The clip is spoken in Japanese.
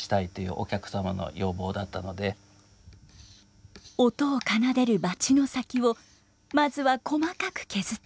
音を奏でるバチの先をまずは細かく削っていきます。